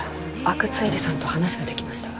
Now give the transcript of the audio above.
阿久津絵里さんと話ができました